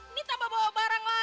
ini tambah bawa barang lah